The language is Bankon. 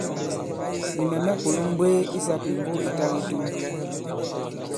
Nì mɛ̀ mɛ̀ kulū m̀mbwee i sāpìmbo ì ta kitum.